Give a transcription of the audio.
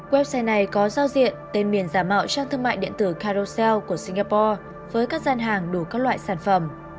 website này có giao diện tên miền giả mạo trang thương mại điện tử karocel của singapore với các gian hàng đủ các loại sản phẩm